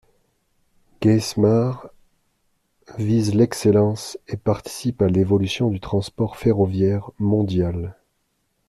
Geismar vise l’excellence et participe à l’évolution du transport ferroviaire mondial.